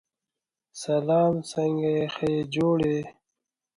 Two anticupola can be augmented together on their base as a bianticupolae.